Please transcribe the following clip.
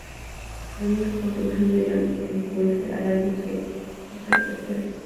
La única contribución de John Entwistle al álbum sería "Success Story".